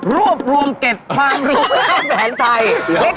รวบรวมเก็บความรู้ข้ามแผนไทย